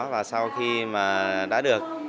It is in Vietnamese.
và sau khi đã được